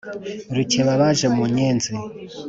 Rukeba baje mu nyenzi